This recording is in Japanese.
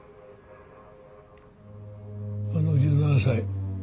あの１７才